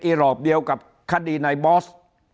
รอบเดียวกับคดีในบอส